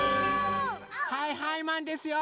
はいはいマンですよ！